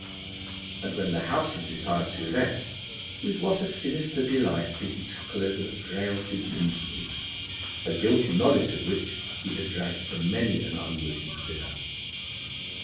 And when the house had retired to rest, with what a sinister delight did he chuckle over the frailties and infamies, a guilty knowledge of which he had dragged from many an unwilling sinner!